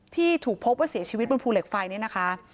ที่ถูกพบว่าเสียชีวิตบนภูเหล็กไฟเนี่ยนะคะ